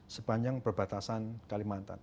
sepanjang perbatasan kalimantan